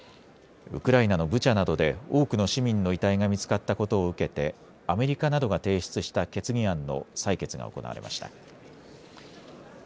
ウクライナのブチャなどで多くの市民の遺体が見つかったことを受けてアメリカなどが提出した決議案の採決が行われました。